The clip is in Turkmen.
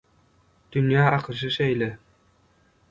Dünýäň akyşy şeýle.